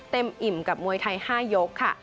เต็มอิ่มกับมวยไทย๕ยก